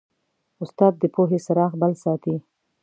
استاد د پوهې څراغ بل ساتي.